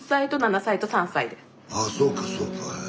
あそうかそうか。へ。